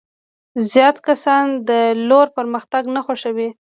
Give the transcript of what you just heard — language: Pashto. زیات کسان د لور پرمختګ نه خوښوي.